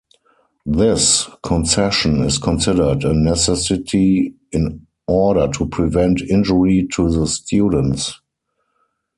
This concession is considered a necessity in order to prevent injury to the students.